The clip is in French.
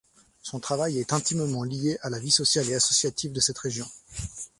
Son travail est intimement lié à la vie sociale et associative de cette région.